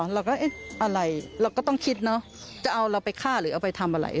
เราก็เอ๊ะอะไรเราก็ต้องคิดเนอะจะเอาเราไปฆ่าหรือเอาไปทำอะไร